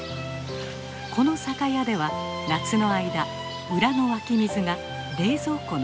この酒屋では夏の間裏の湧き水が冷蔵庫の代わりです。